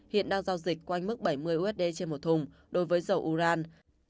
hiện đang giao dịch quanh mức bảy mươi usd trên một thùng đối với dầu uran